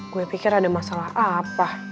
gue pikir ada masalah apa